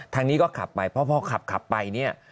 ทางนี้ก็ขับไปเพราะพอขับไปเนี่ย